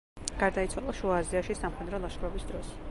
გარდაიცვალა შუა აზიაში სამხედრო ლაშქრობის დროს.